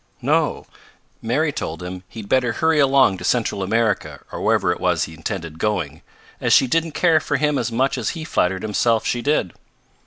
"No. Mary told him he'd better hurry along to Central America, or wherever it was he intended going, as she didn't care for him as much as he flattered himself she did."